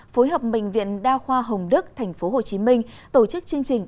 phối hợp bệnh viện đa khoa hồng đức tp hcm tổ chức chương trình